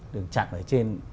đường chặn ở trên